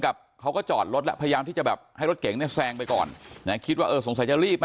กับเขาก็จอดรถแล้วพยายามที่จะแบบให้รถเก๋งเนี่ยแซงไปก่อนนะคิดว่าเออสงสัยจะรีบมา